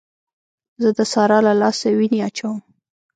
زه د سارا له لاسه وينې اچوم.